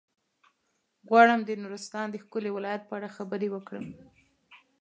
غواړم د نورستان د ښکلي ولايت په اړه خبرې وکړم.